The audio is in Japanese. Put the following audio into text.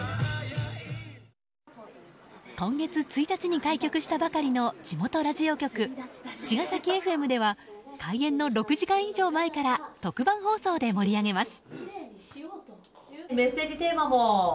今月１日に開局したばかりの地元ラジオ局茅ヶ崎ＦＭでは開演の６時間以上前から特番放送で盛り上げます。